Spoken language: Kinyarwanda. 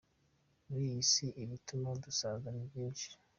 Muri iyi si, ibituma dusaza ni byinshi.